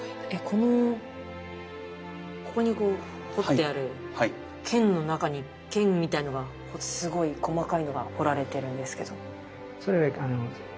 このここにこう彫ってある剣の中に剣みたいのがすごい細かいのが彫られてるんですけど。